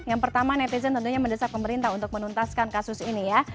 yang pertama netizen tentunya mendesak pemerintah untuk menuntaskan kasus ini ya